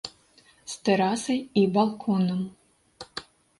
З тэрасай і балконам.